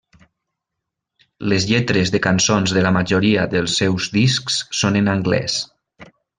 Les lletres de cançons de la majoria dels seus discs són en anglès.